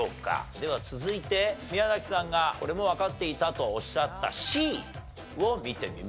では続いて宮崎さんがこれもわかっていたとおっしゃったＣを見てみましょう。